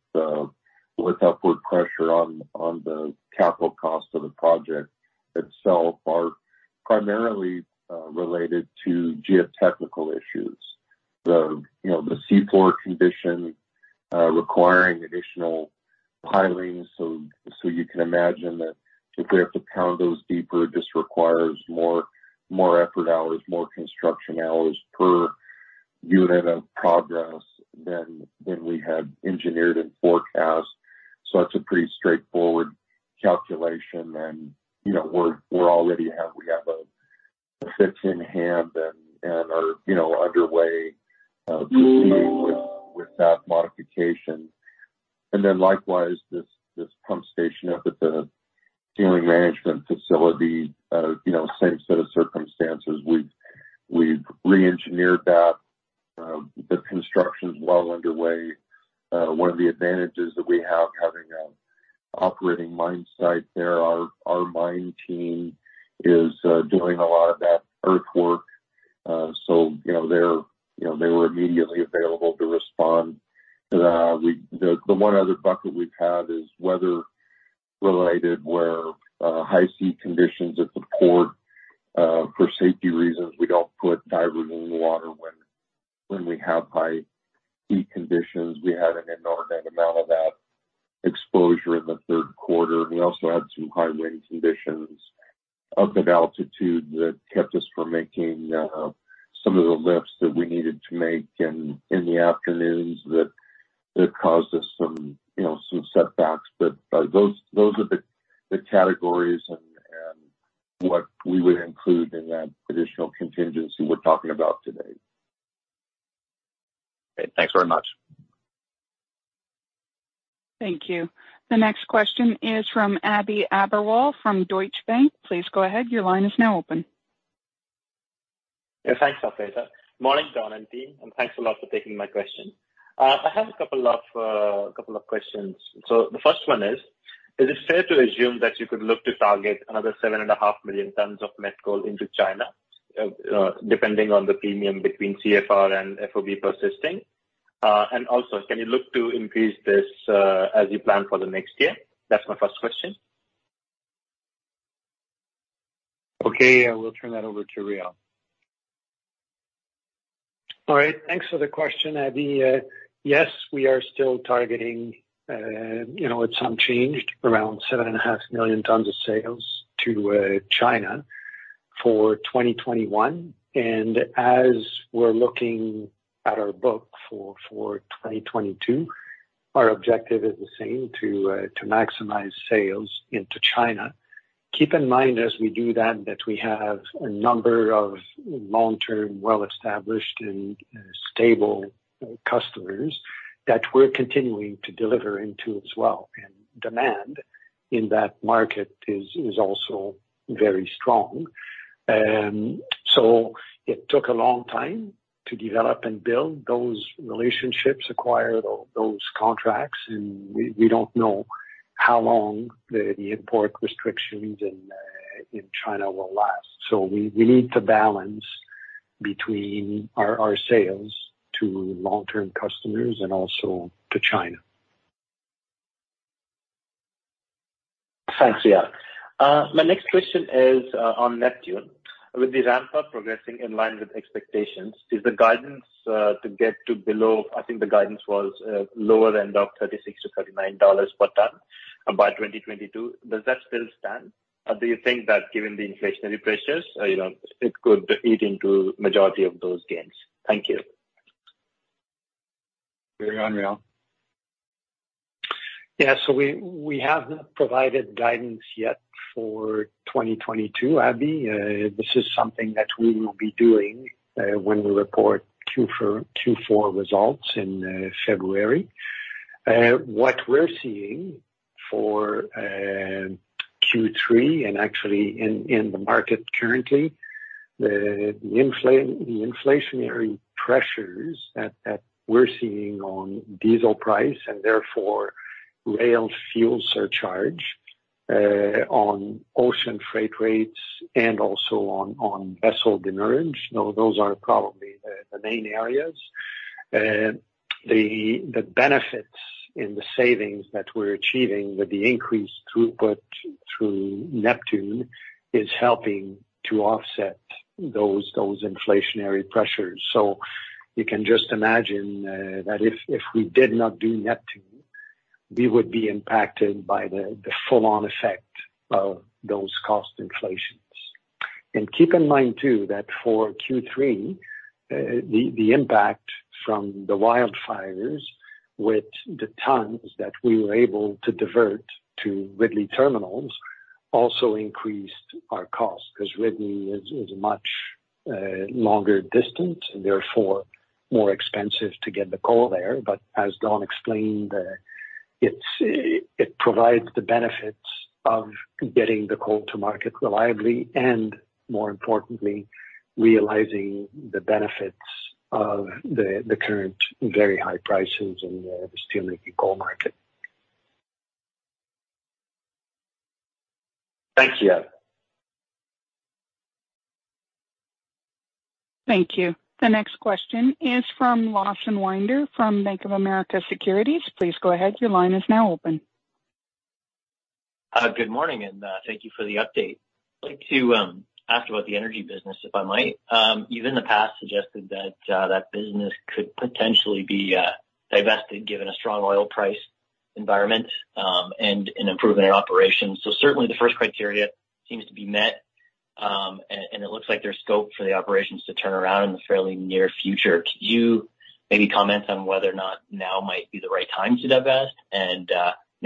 upward pressure on the capital cost of the project itself are primarily related to geotechnical issues, the seafloor condition requiring additional pilings. You can imagine that if we have to pound those deeper, it just requires more effort hours, more construction hours per unit of progress than we had engineered and forecast. That's a pretty straightforward calculation. You know, we have a fix in hand and are you know underway proceeding with that modification. Likewise, this pump station up at the tailings management facility you know same set of circumstances. We've re-engineered that. The construction's well underway. One of the advantages that we have having an operating mine site there, our mine team is doing a lot of that earthwork. So, you know, they were immediately available to respond. The one other bucket we've had is weather related, where high heat conditions at the port, for safety reasons, we don't put divers in the water when we have high heat conditions. We had an inordinate amount of that exposure in the third quarter. We also had some high wind conditions up at altitude that kept us from making some of the lifts that we needed to make in the afternoons that caused us some, you know, some setbacks. Those are the categories and what we would include in that additional contingency we're talking about today. Great. Thanks very much. Thank you. The next question is from Abhi Agarwal from Deutsche Bank. Please go ahead. Your line is now open. Yeah, thanks, operator. Morning, John and team, and thanks a lot for taking my question. I have a couple of questions. The first one is it fair to assume that you could look to target another 7.5 million tons of met coal into China, depending on the premium between CFR and FOB persisting? And also can you look to increase this, as you plan for the next year? That's my first question. Okay. We'll turn that over to Réal. All right. Thanks for the question, Abhi. Yes, we are still targeting, you know, somewhere around 7.5 million tons of sales to China for 2021. As we're looking at our book for 2022, our objective is the same, to maximize sales into China. Keep in mind as we do that we have a number of long-term, well-established, and stable customers that we're continuing to deliver into as well. Demand in that market is also very strong. It took a long time to develop and build those relationships, acquire those contracts, and we don't know how long the import restrictions in China will last. We need to balance between our sales to long-term customers and also to China. Thanks, Réal. My next question is on Neptune. With the ramp up progressing in line with expectations, is the guidance to get to below, I think the guidance was, lower end of $36-$39 per ton, by 2022, does that still stand? Or do you think that given the inflationary pressures, you know, it could eat into majority of those gains? Thank you. Bring it on, Réal. Yeah. We haven't provided guidance yet for 2022, Abhi. This is something that we will be doing when we report Q4 results in February. What we're seeing for Q3, and actually in the market currently, the inflationary pressures that we're seeing on diesel price and therefore rail fuel surcharge, on ocean freight rates and also on vessel demurrage. Now those are probably the main areas. The benefits in the savings that we're achieving with the increased throughput through Neptune is helping to offset those inflationary pressures. You can just imagine that if we did not do Neptune, we would be impacted by the full on effect of those cost inflations. Keep in mind too that for Q3 the impact from the wildfires with the tons that we were able to divert to Ridley Terminals also increased our cost because Ridley is much longer distance, therefore more expensive to get the coal there. As Don Lindsay explained, it provides the benefits of getting the coal to market reliably and more importantly, realizing the benefits of the current very high prices in the steelmaking coal market. Thank you. Thank you. The next question is from Lawson Winder from Bank of America Securities. Please go ahead. Your line is now open. Good morning, and thank you for the update. I'd like to ask about the energy business, if I might. You in the past suggested that business could potentially be divested, given a strong oil price environment, and an improvement in operations. Certainly the first criteria seems to be met, and it looks like there's scope for the operations to turn around in the fairly near future. Could you maybe comment on whether or not now might be the right time to divest? And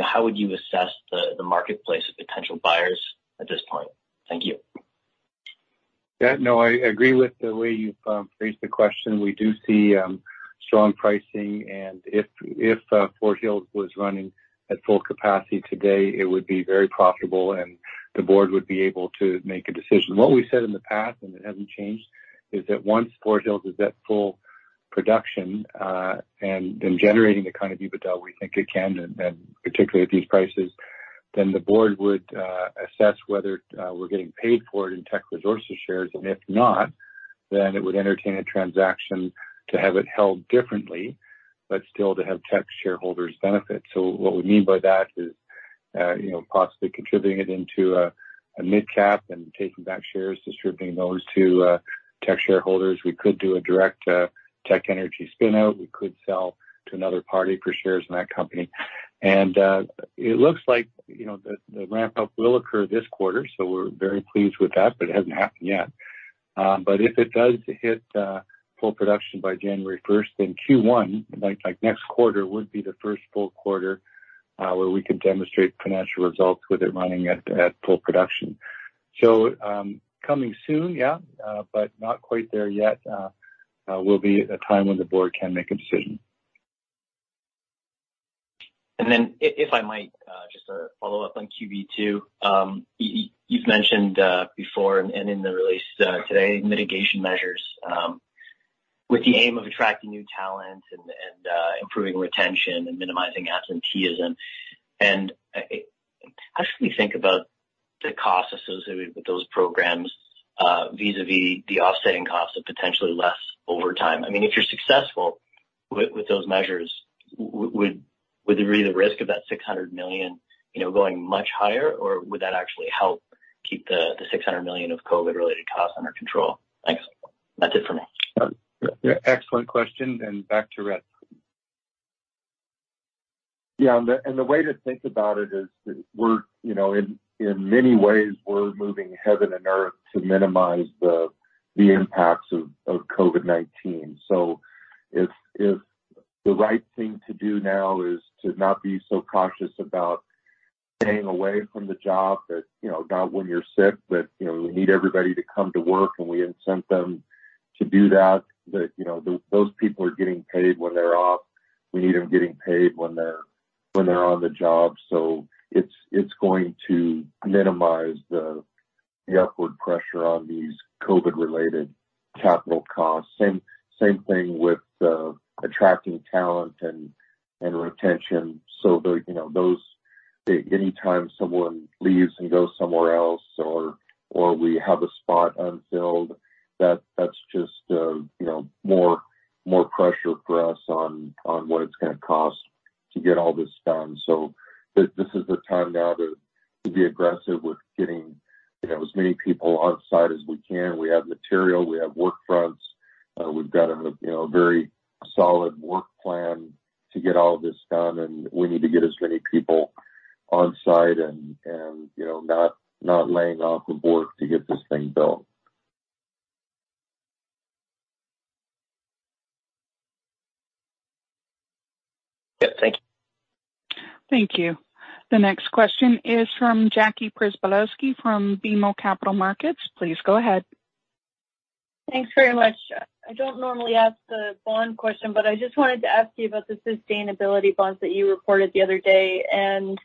how would you assess the marketplace of potential buyers at this point? Thank you. Yeah. No, I agree with the way you've phrased the question. We do see strong pricing, and if Fort Hills was running at full capacity today, it would be very profitable and the board would be able to make a decision. What we said in the past, and it hasn't changed, is that once Fort Hills is at full production, and generating the kind of EBITDA we think it can, and particularly at these prices, then the board would assess whether we're getting paid for it in Teck Resources shares. And if not, then it would entertain a transaction to have it held differently, but still to have Teck shareholders benefit. What we mean by that is, you know, possibly contributing it into a mid cap and taking back shares, distributing those to Teck shareholders. We could do a direct Teck Energy spin out. We could sell to another party for shares in that company. It looks like the ramp up will occur this quarter, so we're very pleased with that, but it hasn't happened yet. If it does hit full production by January first, then Q1, like next quarter would be the first full quarter where we could demonstrate financial results with it running at full production. Coming soon, but not quite there yet will be a time when the board can make a decision. Then if I might just a follow-up on QB2. You've mentioned before and in the release today, mitigation measures with the aim of attracting new talent and improving retention and minimizing absenteeism. How should we think about the costs associated with those programs vis-a-vis the offsetting cost of potentially less overtime? I mean, if you're successful with those measures, would there be the risk of that 600 million, you know, going much higher? Or would that actually help keep the 600 million of COVID related costs under control? Thanks. That's it for me. Excellent question. Back to Red. Yeah, the way to think about it is, you know, in many ways, we're moving heaven and earth to minimize the impacts of COVID-19. If the right thing to do now is to not be so cautious about staying away from the job, you know, not when you're sick, but, you know, we need everybody to come to work and we incent them to do that, you know, those people are getting paid when they're off. We need them getting paid when they're on the job. It's going to minimize the upward pressure on these COVID-related capital costs. Same thing with attracting talent and retention. Anytime someone leaves and goes somewhere else or we have a spot unfilled, that's just more pressure for us on what it's gonna cost to get all this done. This is the time now to be aggressive with getting as many people on site as we can. We have material. We have work fronts. We've got a very solid work plan to get all this done, and we need to get as many people on site and not laying off the board to get this thing built. Yeah. Thank you. Thank you. The next question is from Jackie Przybylowski from BMO Capital Markets. Please go ahead. Thanks very much. I don't normally ask the bond question, but I just wanted to ask you about the sustainability bonds that you reported the other day, and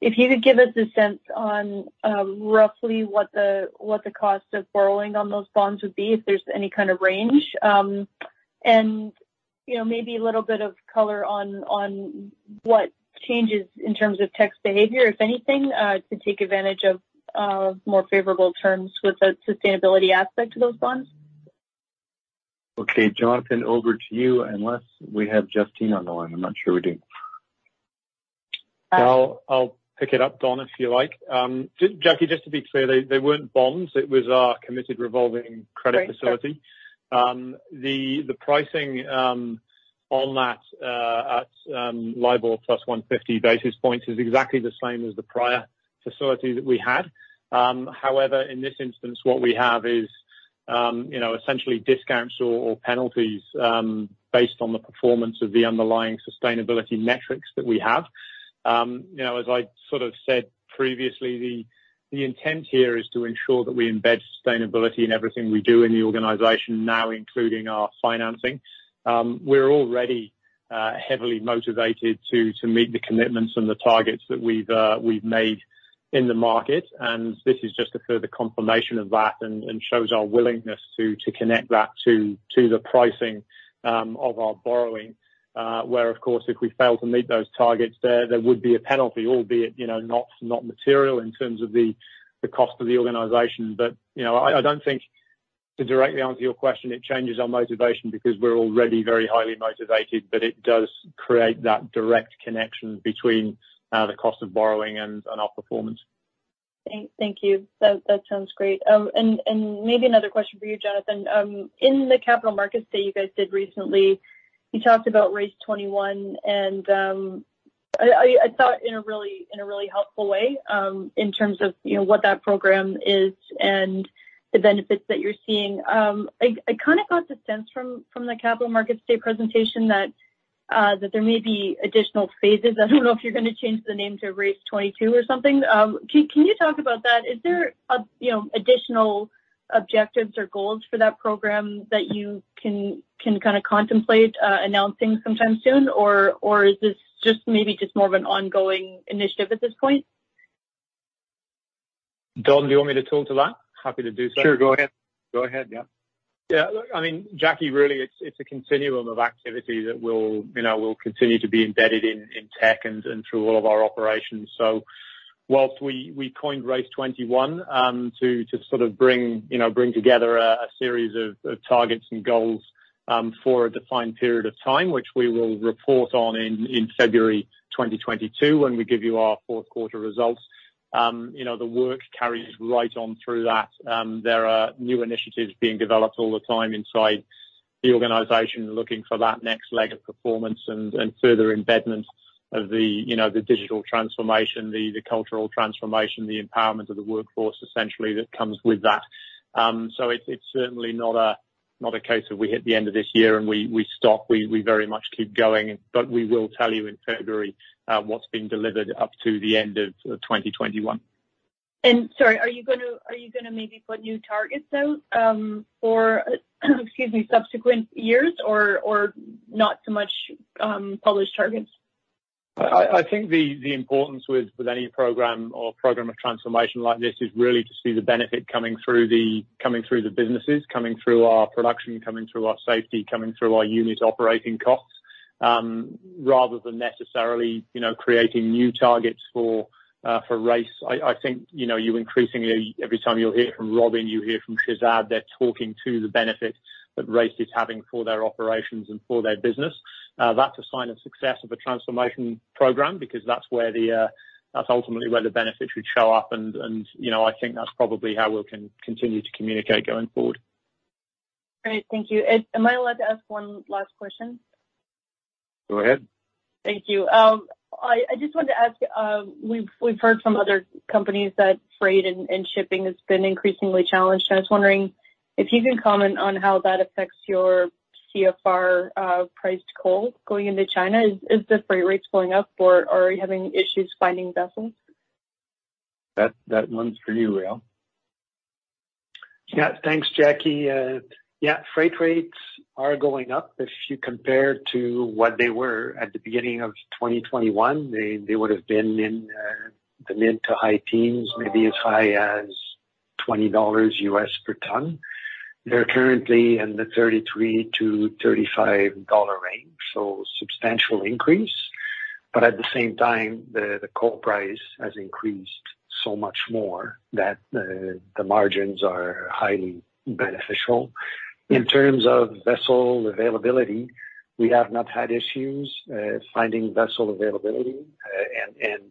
if you could give us a sense on, roughly what the cost of borrowing on those bonds would be, if there's any kind of range. And, you know, maybe a little bit of color on what changes in terms of Teck's behavior, if anything, to take advantage of more favorable terms with the sustainability aspect of those bonds. Okay. Jonathan, over to you. Unless we have Justine on the line, I'm not sure we do. I'll pick it up, Don, if you like. Jackie, just to be clear, they weren't bonds. It was our committed revolving credit facility. The pricing on that at LIBOR plus 150 basis points is exactly the same as the prior facility that we had. However, in this instance, what we have is, you know, essentially discounts or penalties based on the performance of the underlying sustainability metrics that we have. You know, as I sort of said previously, the intent here is to ensure that we embed sustainability in everything we do in the organization now, including our financing. We're already heavily motivated to meet the commitments and the targets that we've made in the market. This is just a further confirmation of that and shows our willingness to connect that to the pricing of our borrowing, where of course, if we fail to meet those targets, there would be a penalty, albeit, you know, not material in terms of the cost of the organization. You know, I don't think to directly answer your question, it changes our motivation because we're already very highly motivated, but it does create that direct connection between the cost of borrowing and our performance. Thank you. That sounds great. Maybe another question for you, Jonathan. In the capital markets that you guys did recently, you talked about RACE 21 and I thought in a really helpful way in terms of you know what that program is and the benefits that you're seeing. I kinda got the sense from the capital markets day presentation that there may be additional phases. I don't know if you're gonna change the name to RACE 22 or something. Can you talk about that? Is there a you know additional objectives or goals for that program that you can kinda contemplate announcing sometime soon? Or is this just maybe more of an ongoing initiative at this point? Don, do you want me to talk to that? Happy to do so. Sure, go ahead. Go ahead, yeah. Yeah. Look, I mean, Jackie, really, it's a continuum of activity that will, you know, continue to be embedded in Teck and through all of our operations. Whilst we coined RACE 21 to sort of bring, you know, bring together a series of targets and goals for a defined period of time, which we will report on in February 2022 when we give you our fourth quarter results. You know, the work carries right on through that. There are new initiatives being developed all the time inside the organization, looking for that next leg of performance and further embedment of the, you know, the digital transformation, the cultural transformation, the empowerment of the workforce, essentially that comes with that. It's certainly not a case of we hit the end of this year and we stop. We very much keep going. We will tell you in February what's been delivered up to the end of 2021. Sorry, are you gonna maybe put new targets out for, excuse me, subsequent years or not so much published targets? I think the importance with any program of transformation like this is really to see the benefit coming through the businesses, coming through our production, coming through our safety, coming through our unit operating costs, rather than necessarily, you know, creating new targets for RACE. I think, you know, you increasingly, every time you'll hear from Robin, you hear from Shehzad, they're talking to the benefit that RACE is having for their operations and for their business. That's a sign of success of a transformation program because that's where the that's ultimately where the benefits would show up and, you know, I think that's probably how we'll continue to communicate going forward. Great. Thank you. Am I allowed to ask one last question? Go ahead. Thank you. I just wanted to ask, we've heard from other companies that freight and shipping has been increasingly challenged, and I was wondering if you can comment on how that affects your CFR priced coal going into China. Is the freight rates going up or are you having issues finding vessels? That one's for you, Réal. Yeah. Thanks, Jackie. Yeah, freight rates are going up. If you compare to what they were at the beginning of 2021, they would have been in the mid to high teens, maybe as high as $20 US per ton. They're currently in the $33-$35 range, so substantial increase. At the same time, the coal price has increased so much more that the margins are highly beneficial. In terms of vessel availability, we have not had issues finding vessel availability. And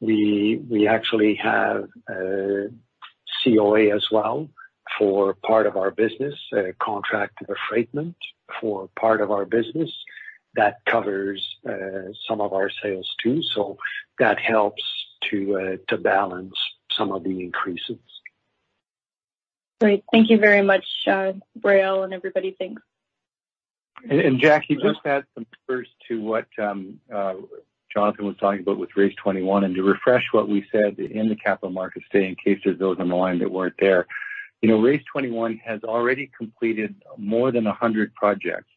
we actually have COA as well for part of our business, contract of affreightment for part of our business. That covers some of our sales too, so that helps to balance some of the increases. Great. Thank you very much, Réal and everybody. Thanks. Jackie, just to add some colors to what Jonathan was talking about with Race 21 and to refresh what we said in the capital markets day in case there's those on the line that weren't there. You know, Race 21 has already completed more than 100 projects,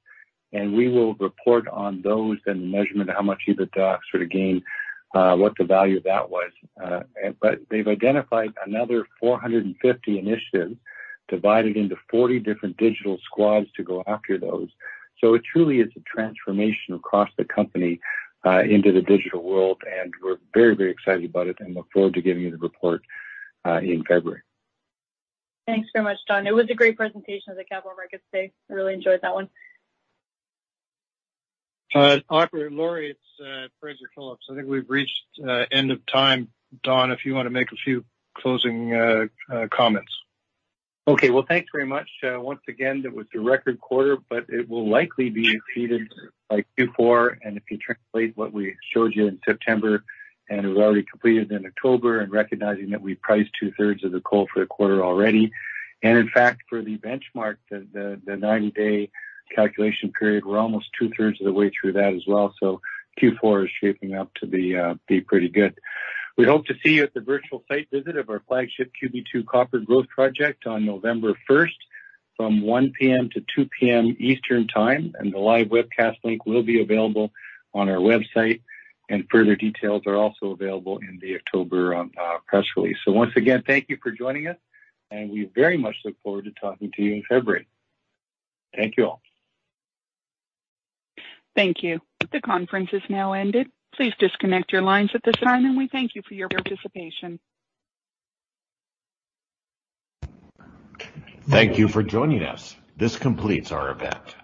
and we will report on those and the measurement of how much EBITDA sort of gained, what the value of that was. But they've identified another 450 initiatives divided into 40 different digital squads to go after those. It truly is a transformation across the company into the digital world, and we're very, very excited about it and look forward to giving you the report in February. Thanks so much, Don. It was a great presentation of the capital markets day. I really enjoyed that one. Operator, Laurie, it's Fraser Phillips. I think we've reached end of time. Don, if you wanna make a few closing comments. Okay. Well, thanks very much. Once again, it was a record quarter, but it will likely be exceeded by Q4. If you translate what we showed you in September, and we've already completed in October, and recognizing that we priced two-thirds of the coal for the quarter already. In fact, for the benchmark, the 90-day calculation period, we're almost two-thirds of the way through that as well. Q4 is shaping up to be pretty good. We hope to see you at the virtual site visit of our flagship QB2 copper growth project on November 1 from 1:00A.M. to 2:00P.M. Eastern time, and the live webcast link will be available on our website, and further details are also available in the October press release. Once again, thank you for joining us, and we very much look forward to talking to you in February. Thank you all. Thank you. The conference has now ended. Please disconnect your lines at this time, and we thank you for your participation. Thank you for joining us. This completes our event.